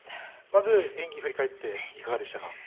まず、演技を振り返っていかがでしたか。